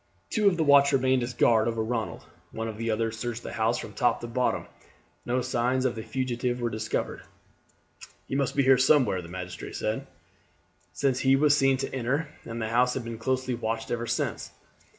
Two of the watch remained as guard over Ronald; one of the others searched the house from top to bottom. No signs of the fugitive were discovered. "He must be here somewhere," the magistrate said, "since he was seen to enter, and the house has been closely watched ever since.